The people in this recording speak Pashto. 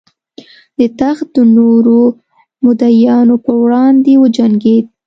د تخت د نورو مدعیانو پر وړاندې وجنګېد.